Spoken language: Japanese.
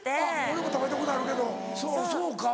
俺も食べたことあるけどそうか。